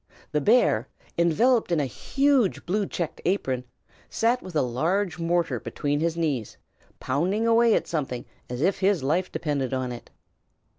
The bear, enveloped in a huge blue checked apron, sat with a large mortar between his knees, pounding away at something as if his life depended on it.